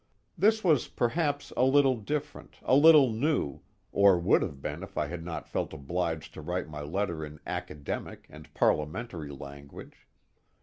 This was perhaps a little different, a little new or would have been if I had not felt obliged to write my letter in academic and parliamentary language.